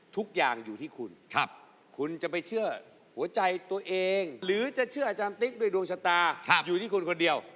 ทุกอย่างอยู่ที่คุณคุณจะไปเชื่อหัวใจตัวเองหรือจะเชื่ออาจารย์ติ๊กด้วยดวงชะตาอยู่ที่คุณคนเดียว